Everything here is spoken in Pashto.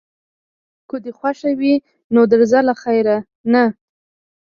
که دې خوښه وي نو درځه له خیره، نه.